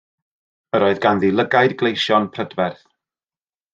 Yr oedd ganddi lygaid gleision prydferth.